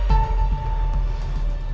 berikan semua informasi soal bos kamu itu